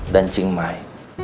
dan cing mai